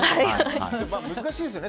難しいですよね。